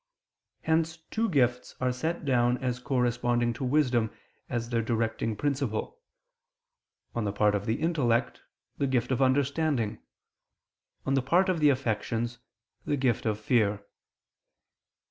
Hence two gifts are set down as corresponding to wisdom as their directing principle; on the part of the intellect, the gift of understanding; on the part of the affections, the gift of fear.